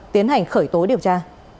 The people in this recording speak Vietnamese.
tiến hành khởi tối điều tra